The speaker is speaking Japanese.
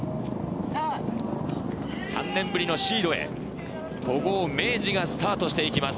３年ぶりのシードへ、古豪・明治がスタートしていきます。